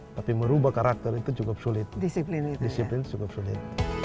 tapi merubah karakter itu cukup sulit disiplin disiplin cukup sulit